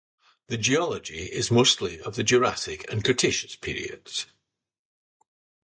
The geology is mostly of the Jurassic and Cretaceous periods.